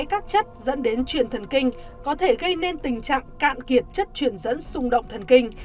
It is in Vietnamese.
các chất dẫn đến truyền thần kinh có thể gây nên tình trạng cạn kiệt chất truyền dẫn xung đột thần kinh